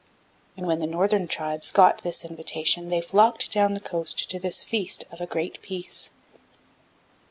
And when the northern tribes got this invitation they flocked down the coast to this feast of a Great Peace.